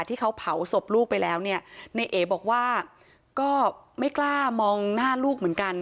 ที่เขาเผาศพลูกไปแล้วเนี่ยในเอบอกว่าก็ไม่กล้ามองหน้าลูกเหมือนกัน